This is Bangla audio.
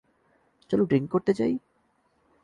চলো ড্রিংক করতে যাই?